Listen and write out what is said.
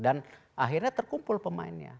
dan akhirnya terkumpul pemainnya